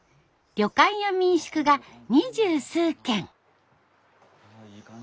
旅館や民宿が２０数軒。